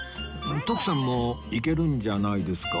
徳さんもいけるんじゃないですか？